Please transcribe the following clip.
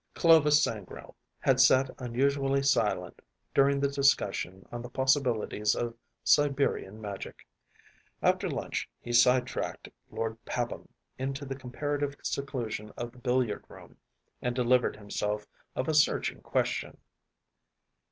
Clovis Sangrail had sat unusually silent during the discussion on the possibilities of Siberian Magic; after lunch he side tracked Lord Pabham into the comparative seclusion of the billiard room and delivered himself of a searching question.